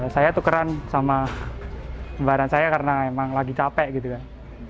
saya tukeran sama kembaran saya karena memang lagi capek gitu kan